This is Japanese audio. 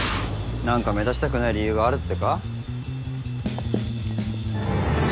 何か目立ちたくない理由があるってか？